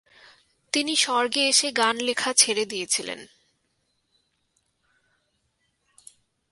তিনি স্বর্গে এসে গান লেখা ছেড়ে দিয়েছিলেন।